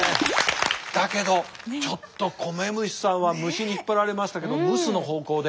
だけどちょっと米虫さんは虫に引っ張られましたけど蒸すの方向で。